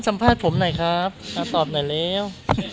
มจมพาสผมหน่อยครับตอบหน่อยแล้ว